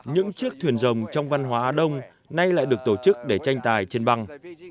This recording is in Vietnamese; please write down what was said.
những chiếc thuyền rồng trong văn hóa đông nay lại được tổ chức để tranh tài trên băng